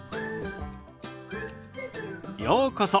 ようこそ。